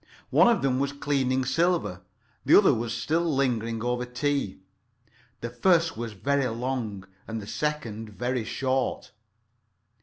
One of them was cleaning silver, the other was still lingering over tea. The first was very long, and the second very short.